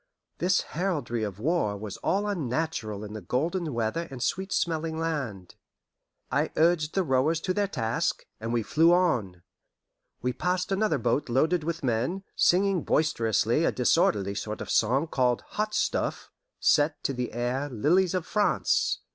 This heraldry of war was all unnatural in the golden weather and sweet smelling land. I urged the rowers to their task, and we flew on. We passed another boat loaded with men, singing boisterously a disorderly sort of song, called "Hot Stuff," set to the air "Lilies of France."